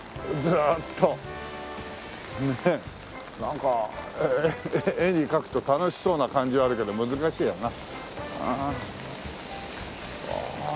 ねえなんか絵に描くと楽しそうな感じはあるけど難しいよな。